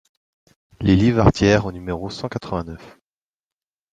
Les Livardieres au numéro cent quatre-vingt-neuf